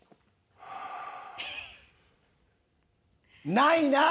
ないなあ！